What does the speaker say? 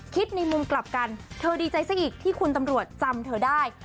ในมุมกลับกันเธอดีใจซะอีกที่คุณตำรวจจำเธอได้